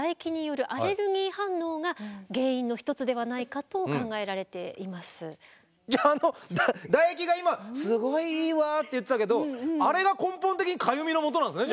かゆみにつきましてはじゃああの唾液が今「すごいいいわ」って言ってたけどあれが根本的にかゆみのもとなんですね？